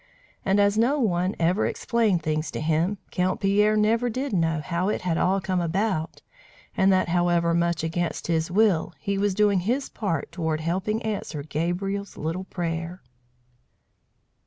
And as no one ever explained things to him, Count Pierre never did know how it had all come about, and that, however much against his will, he was doing his part toward helping answer Gabriel's little prayer.